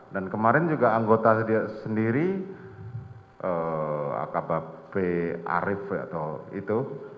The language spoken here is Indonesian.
dan kemarin juga anggota sendiri akbp arief atau itu